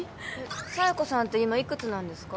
佐弥子さんって今いくつなんですか？